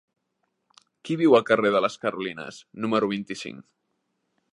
Qui viu al carrer de les Carolines número vint-i-cinc?